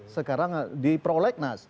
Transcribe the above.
sekarang di prolegnas